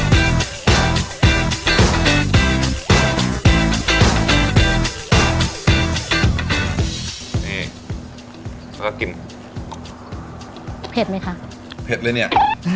เผ็ดไหมคะเผ็ดเลยเนี่ย